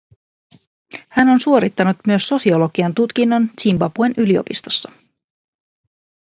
Hän on suorittanut myös sosiologian tutkinnon Zimbabwen yliopistossa